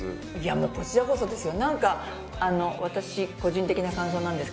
もうこちらこそですよ